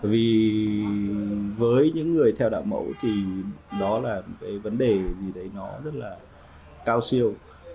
vì với những người theo đạo mẫu thì đó là cái vấn đề gì đấy nó rất là cao siêu